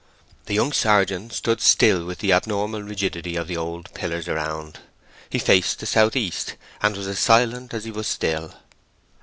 The young sergeant stood still with the abnormal rigidity of the old pillars around. He faced the south east, and was as silent as he was still.